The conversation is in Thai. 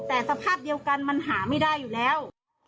แต่สภาพเดียวกันมันหาไม่ได้อยู่แล้ว